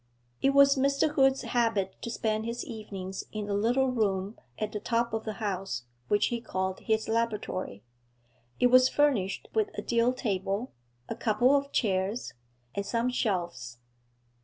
It was Mr. Hood's habit to spend his evenings in a little room at the top of the house, which he called his laboratory. It was furnished with a deal table, a couple of chairs, and some shelves.